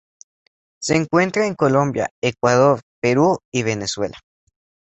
Se encuentra en Colombia, Ecuador, Perú y Venezuela.